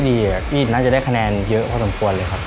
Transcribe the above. ที่น่าจะได้คะแนนเยอะพอสมควรเลยครับ